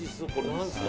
何ですか？